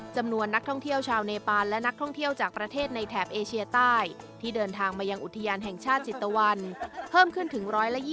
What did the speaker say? จำนวนนักท่องเที่ยวชาวเนปานและนักท่องเที่ยวจากประเทศในแถบเอเชียใต้ที่เดินทางมายังอุทยานแห่งชาติจิตตะวันเพิ่มขึ้นถึง๑๒๐